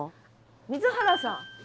水原さん。